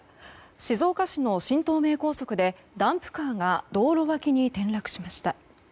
静岡市の新東名高速でダンプカーが道路脇に転落しました。